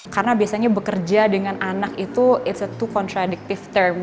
karena biasanya bekerja dengan anak itu it's a two contradictive terms gitu